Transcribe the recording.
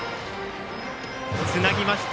つなぎました。